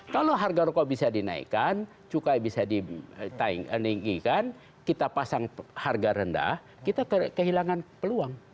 kalau harga rokok bisa dinaikkan cukai bisa diinggikan kita pasang harga rendah kita kehilangan peluang